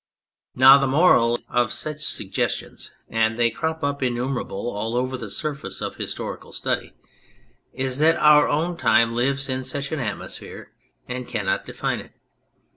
Now the moral of such suggestions (and they crop up innumerable all over the surface of historical study) is that our own time lives in such an atmo sphere and cannot define it.